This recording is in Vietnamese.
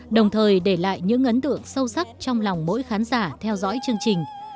đồng thời để lại những ấn tượng sâu sắc trong lòng mỗi khán giả theo dõi chương trình